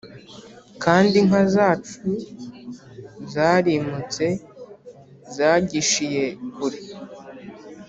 kandi inka zacu zarimutse zagishiye kure